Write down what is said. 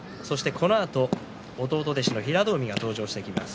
このあと弟弟子の平戸海が登場してきます。